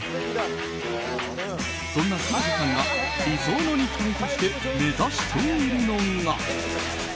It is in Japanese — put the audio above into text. そんな久保田さんが理想の肉体として目指しているのが。